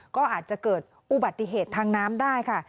ก็อาจจะเกิดอุบัติเหตุทางน้ำได้ค่ะ